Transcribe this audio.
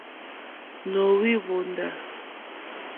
Nǒhwì hwóndá.